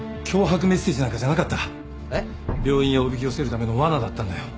病院へおびき寄せるためのわなだったんだよ。